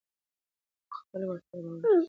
په خپلو وړتیاو باور لرل د بریا لومړنی شرط دی.